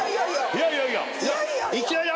いやいやいや。